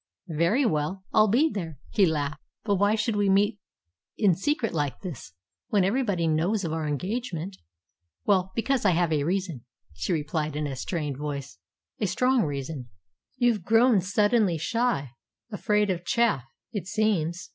"Very well, I'll be there," he laughed. "But why should we meet in secret like this, when everybody knows of our engagement?" "Well, because I have a reason," she replied in a strained voice "a strong reason." "You've grown suddenly shy, afraid of chaff, it seems."